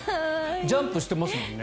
ジャンプしてますもんね